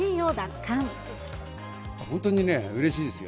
本当にね、うれしいですよ。